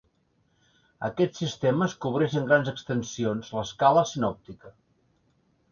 Aquests sistemes cobreixen grans extensions l'escala sinòptica.